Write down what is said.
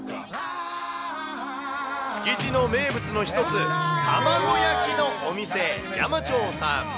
築地の名物の一つ、卵焼きのお店、山長さん。